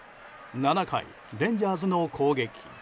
７回、レンジャーズの攻撃。